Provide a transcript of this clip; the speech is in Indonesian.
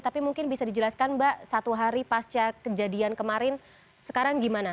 tapi mungkin bisa dijelaskan mbak satu hari pasca kejadian kemarin sekarang gimana